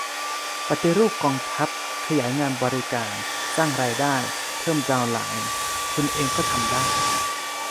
ปฏิรูปกองทัพ ขยายงานบริการ สร้างรายได้ เพิ่มดาวน์ไลน์ คุณเองก็ทำได้